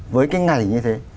với cái ngày như thế